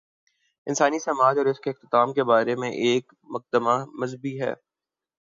انسانی سماج اور اس کے اختتام کے بارے میں ایک مقدمہ مذہبی ہے۔